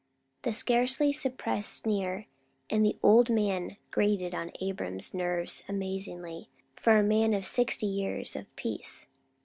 The scarcely suppressed sneer, and the "old man" grated on Abram's nerves amazingly, for a man of sixty years of peace.